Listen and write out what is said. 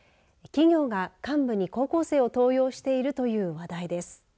企業が幹部に高校生を登用しているという話題です。